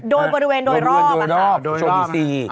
โดยบริเวณโดยรอบโดยโรคโชว์ดีซี